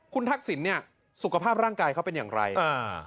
คุณทักษิณเนี่ยสุขภาพร่างกายเขาเป็นอย่างไรอ่า